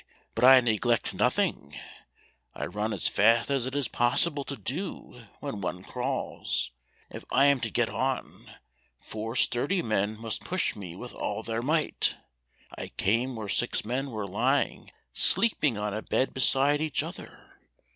But I neglect nothing, I run as fast as it is possible to do when one crawls. If I am to get on, four sturdy men must push me with all their might. I came where six men were lying sleeping on a bed beside each other.